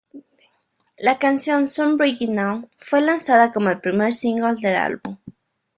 La canción "So Bring It On" fue lanzada como el primer single del álbum.